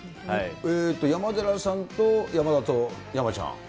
山寺さんと山里、山ちゃん。